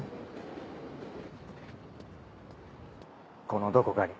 このどこかに。